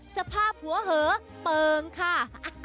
สภาพหัวเหอเปิงค่ะ